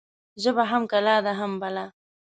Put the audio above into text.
ژبه هم کلا ده، هم بلا